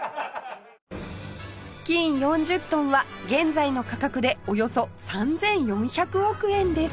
金４０トンは現在の価格でおよそ３４００億円です